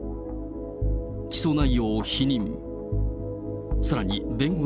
起訴内容を否認。